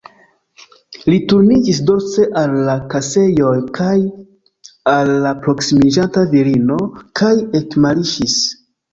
Li turniĝis dorse al la kasejoj kaj al la proksimiĝanta virino, kaj ekmarŝis.